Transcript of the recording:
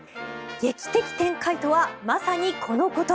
劇的展開とはまさにこのこと。